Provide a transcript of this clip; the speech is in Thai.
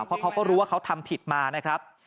เพราะเขาก็รู้ว่าเขาทำผิดมานะครับ